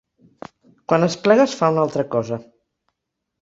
Quan es plega es fa una altra cosa.